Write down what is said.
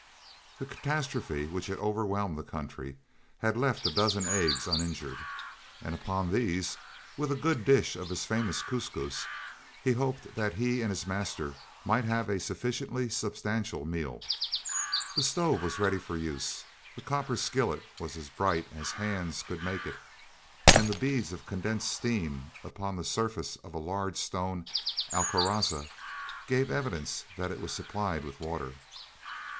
The catastrophe which had overwhelmed the country had left a dozen eggs uninjured, and upon these, with a good dish of his famous couscous, he hoped that he and his master might have a sufficiently substantial meal. The stove was ready for use, the copper skillet was as bright as hands could make it, and the beads of condensed steam upon the surface of a large stone al caraza gave evidence that it was supplied with water.